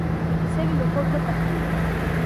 که کیسه وي نو خوب نه تښتي.